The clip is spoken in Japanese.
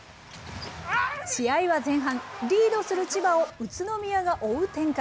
試合は前半、リードする千葉を宇都宮が追う展開。